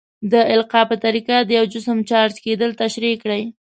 د القاء په طریقه د یو جسم چارج کیدل تشریح کړئ.